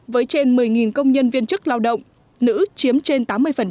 với trên một mươi công nhân viên chức lao động nữ chiếm trên tám mươi